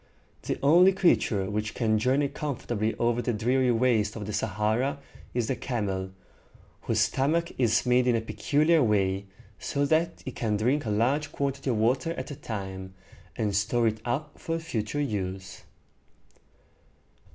The only creature which can journey comfortably over the dreary waste of the Sa ha´ra is the camel, whose stomach is made in a peculiar way, so that it can drink a large quantity of water at a time, and store it up for future use.